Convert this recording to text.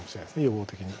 予防的に。